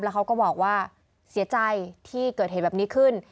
เขาก็บอกว่าเสียใจที่เกิดเหตุแบบนี้ขึ้น